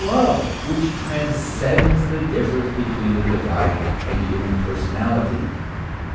53 transcends the difference between the divine and human per sonality.